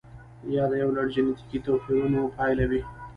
یا د یو لړ جنتیکي توپیرونو پایله وي.